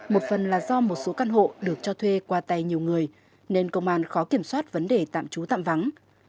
một phần là do một số căn hộ được cho thuê qua tay nhiều người nên công an khó kiểm soát vấn đề tạm trú tạm vắng